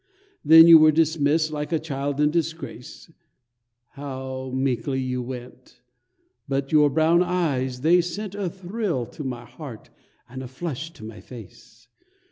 Then you were dismissed like a child in disgrace. How meekly you went! But your brown eyes, they sent A thrill to my heart, and a flush to my face.